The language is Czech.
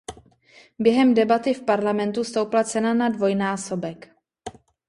Během debaty v parlamentu stoupla cena na dvojnásobek.